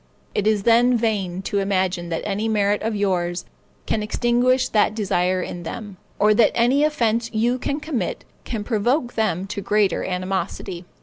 It is then vain to imagine that any merit of yours can extinguish that desire in them, or that any offense you can commit, can provoke them to greater animosity.